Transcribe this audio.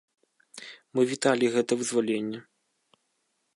Мы віталі гэта вызваленне.